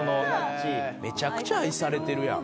めちゃくちゃ愛されてるやん。